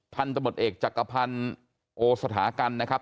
พันธมตเอกจักรพันธ์โอสถากันนะครับ